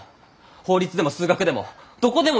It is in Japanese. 法律でも数学でもどこでも行きなよ！